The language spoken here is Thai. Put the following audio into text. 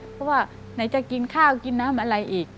เพราะว่าไหนจะกินข้าวกินน้ำอะไรอีก